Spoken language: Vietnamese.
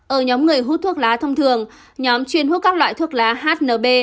ở nhóm người hút thuốc lá thông thường nhóm chuyên hút các loại thuốc lá hnb